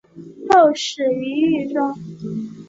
后死于狱中。